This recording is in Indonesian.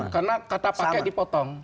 karena kata pakai dipotong